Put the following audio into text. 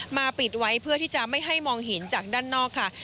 ปิดไว้เพื่อที่จะไม่ให้มองเห็นจากด้านนอกค่ะ